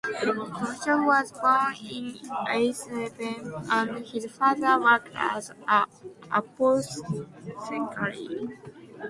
Bucholz was born in Eisleben and his father worked as an apothecary.